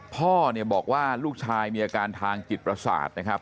พ่อเนี่ยบอกว่าลูกชายมีอาการทางจิตประสาทนะครับ